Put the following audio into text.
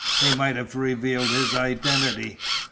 They might have revealed his identity.